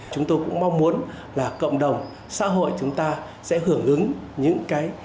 chúng tôi cũng mong muốn là cộng đồng xã hội chúng ta sẽ hưởng ứng